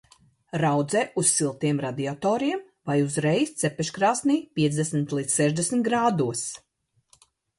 Raudzē uz siltiem radiatoriem vai uzreiz cepeškrāsnī piecdesmit līdz sešdesmit grādos.